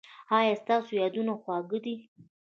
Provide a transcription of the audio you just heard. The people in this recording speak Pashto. ایا ستاسو یادونه خوږه ده؟